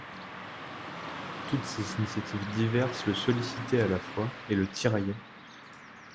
Toutes ces initiatives diverses le sollicitaient à la fois, et le tiraillaient.